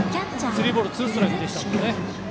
スリーボールツーストライクだったので。